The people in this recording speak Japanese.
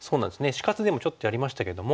死活でもちょっとやりましたけども。